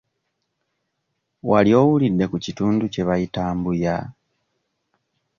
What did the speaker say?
Wali owulidde ku kitundu kye bayita Mbuya?